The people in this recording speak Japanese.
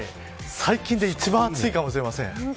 最近で一番暑いかもしれません。